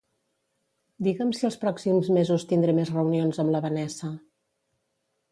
Diga'm si els pròxims mesos tindré més reunions amb la Vanessa.